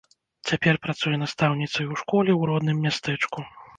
Цяпер працуе настаўніцай у школе ў родным мястэчку.